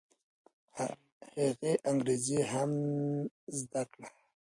هغه انګریزي هم زده کړه.